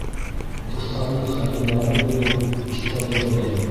Дуҫтарының хәлен барып белеү иҫтәрендә лә юҡ.